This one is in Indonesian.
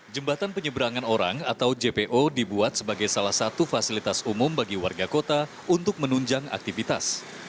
jembatan penyeberangan orang atau jpo dibuat sebagai salah satu fasilitas umum bagi warga kota untuk menunjang aktivitas